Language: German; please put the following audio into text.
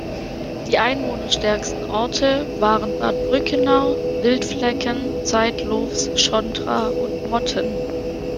Die einwohnerstärksten Orte waren Bad Brückenau, Wildflecken, Zeitlofs, Schondra und Motten.